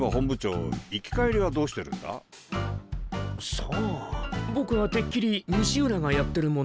僕はてっきり西浦がやってるものかと。